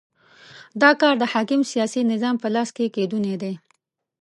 دا کار د حاکم سیاسي نظام په لاس کېدونی دی.